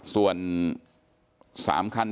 ส่วนสามคัน